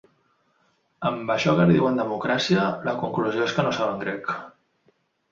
Amb això que li diuen democràcia, la conclusió és que no saben grec.